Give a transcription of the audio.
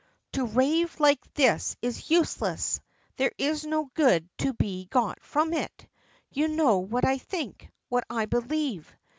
"To rave like this is useless. There is no good to be got from it. You know what I think, what I believe.